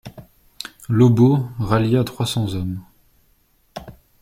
Lobau rallia trois cents hommes.